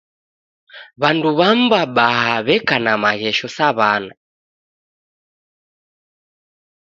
W'andu w'amu w'abaha w'eka na maghesho sa w'ana